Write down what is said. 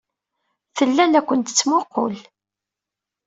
Tella la kent-tettmuqqul.